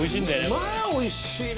まぁおいしいね